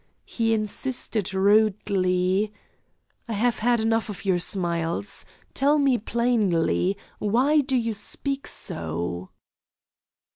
He insisted rudely: "I have had enough of your smiles. Tell me plainly, why do you speak so?"